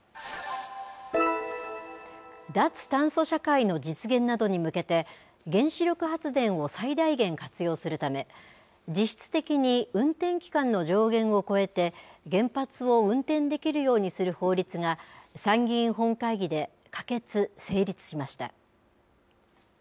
脱炭素社会の実現などに向けて、原子力発電を最大限活用するため、実質的に運転期間の上限を超えて、原発を運転できるようにする法律が、参議院本会議で可決・成立しました。